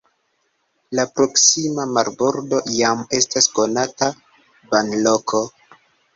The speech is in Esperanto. La proksima marbordo jam estas konata banloko.